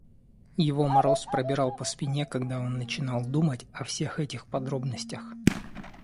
Его мороз пробирал по спине, когда он начинал думать о всех этих подробностях.